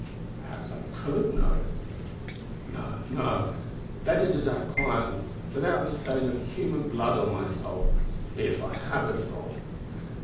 Perhaps I could know it! No, no! Better to die quietly, without the stain of human blood on my soul if I have a soul.